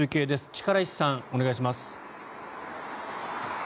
力石さん、お願いします。